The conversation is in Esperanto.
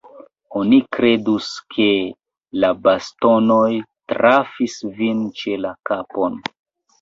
Oni kredus, ke la bastonoj trafis vin ĉe la kapon.